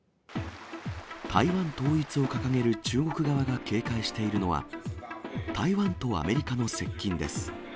台湾統一を掲げる中国側が警戒しているのが、台湾とアメリカの接近です。